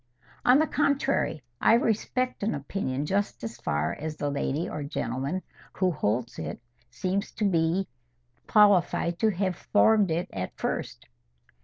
"On the contrary, I respect an opinion just as far as the lady or gentleman who holds it seems to me qualified to have formed it first.